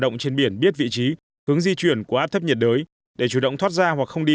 động trên biển biết vị trí hướng di chuyển của áp thấp nhiệt đới để chủ động thoát ra hoặc không đi